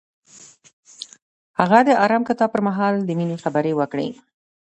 هغه د آرام کتاب پر مهال د مینې خبرې وکړې.